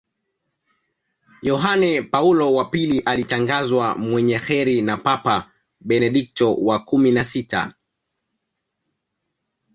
yohane paulo wa pili alitangazwa mwenye kheri na papa benedikto wa kumi na sita